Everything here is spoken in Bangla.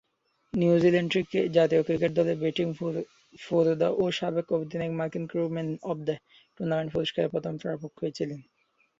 নিউজিল্যান্ড জাতীয় ক্রিকেট দলের ব্যাটিং পুরোধা ও সাবেক অধিনায়ক Martin Crowe man of the tournament পুরস্কারের প্রথম প্রাপক হয়েছিলেন।